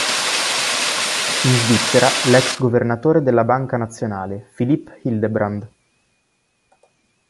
In Svizzera l'ex governatore della Banca nazionale, Philippe Hildebrand.